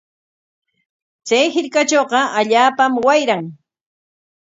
Chay hirkatrawqa allaapam wayran.